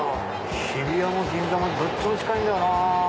日比谷も銀座もどっちも近いんだよなぁ。